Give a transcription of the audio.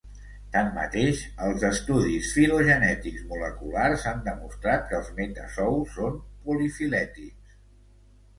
Tanmateix els estudis filogenètics moleculars han demostrat que els metazous són polifilètics.